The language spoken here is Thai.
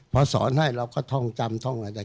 พอสอนให้เราก็ท่องจำท่องอะไร